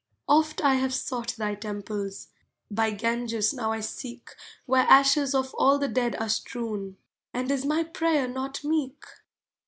Oft I have sought thy temples, By Ganges now I seek, Where ashes of all the dead are strewn, And is my prayer not meek?